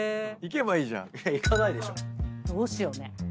どうしようね。